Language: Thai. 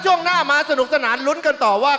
ช่วงหน้ามาสนุกสนานลุ้นกันต่อว่า